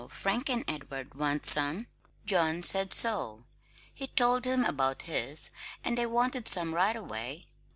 Frank and Edward want some; John said so. He told them about his, and they wanted some right away.